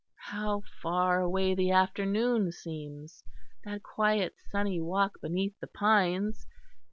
How far away the afternoon seems; that quiet sunny walk beneath the pines.